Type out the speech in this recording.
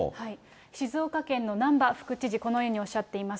静岡県の難波副知事、このようにおっしゃっています。